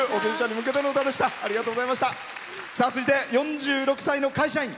続いて、４６歳の会社員。